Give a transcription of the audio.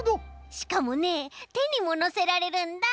しかもねてにものせられるんだ！